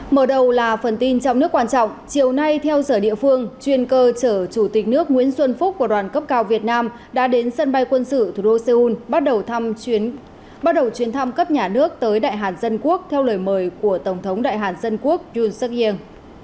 mở đầu là phần tin trong nước quan trọng chiều nay theo giờ địa phương chuyên cơ chở chủ tịch nước nguyễn xuân phúc của đoàn cấp cao việt nam đã đến sân bay quân sự thủ đô seoul bắt đầu chuyến thăm cấp nhà nước tới đại hàn dân quốc theo lời mời của tổng thống đại hàn dân quốc yun suk yung